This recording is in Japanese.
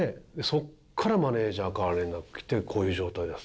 そこからマネージャーから連絡来て「こういう状態です」